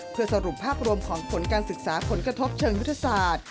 เพื่อสรุปภาพรวมของผลการศึกษาผลกระทบเชิงยุทธศาสตร์